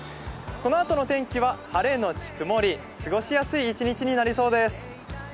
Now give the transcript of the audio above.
このあとの天気は晴れのち曇り、過ごしやすい一日になりそうです。